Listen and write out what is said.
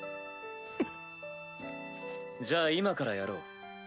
じゃあ今からやろう。